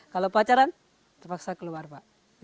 kalau pacaran terpaksa keluar pak